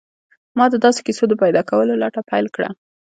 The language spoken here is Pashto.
ما د داسې کیسو د پیدا کولو لټه پیل کړه